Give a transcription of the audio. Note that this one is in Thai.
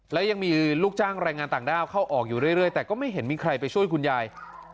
แล้วยังมีลูกจ้างแรงงานต่างด้าวเข้าออกอยู่เรื่อยแต่ก็ไม่เห็นมีใครไปช่วยคุณยาย